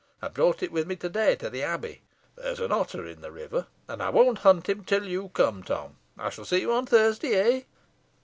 I brought it with me to day to the Abbey. There's an otter in the river, and I won't hunt him till you come, Tom. I shall see you on Thursday, eh?"